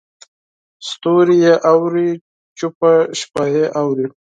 ستوري یې اوري چوپه شپه یې اوري